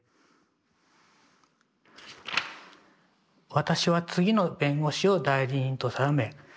「私は次の弁護士を代理人と定め」。